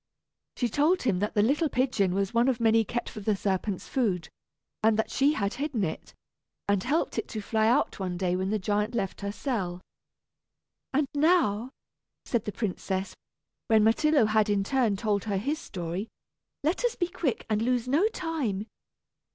She told him that the little pigeon was one of many kept for the serpent's food, and that she had hidden it, and helped it to fly out one day when the giant left her cell. "And now," said the princess, when Myrtillo had in turn told her his story, "let us be quick, and lose no time.